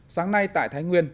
sáng nay tại thái nguyên